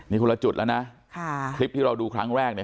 นี่คนละจุดแล้วนะค่ะคลิปที่เราดูครั้งแรกเนี่ย